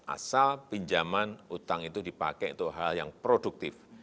asal pinjaman utang itu dipakai untuk hal yang produktif